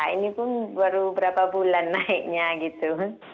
ini pun baru berapa bulan naiknya gitu